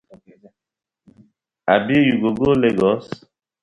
Abi you go go Legos?